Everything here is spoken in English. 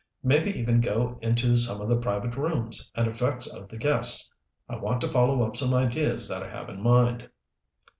Maybe even go into some of the private rooms and effects of the guests. I want to follow up some ideas that I have in mind."